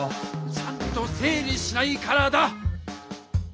ちゃんと整理しないからだ！